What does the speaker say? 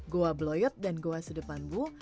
goa beloyep dan goa sedepan bu